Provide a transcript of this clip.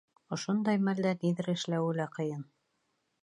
Ошондай мәлдә ниҙер эшләүе лә ҡыйын.